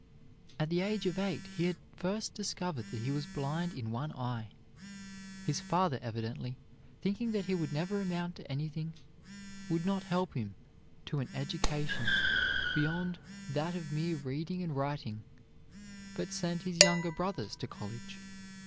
At the age of eight he had first discovered that he was blind in one eye. His father, evidently thinking that he would never amount to anything, would not help him to an education beyond that of mere reading and writing, but sent his younger brothers to college.